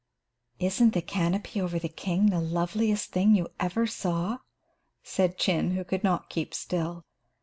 "Isn't the canopy over the king the loveliest thing you ever saw?" said Chin, who could not keep still.